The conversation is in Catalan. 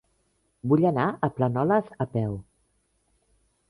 Vull anar a Planoles a peu.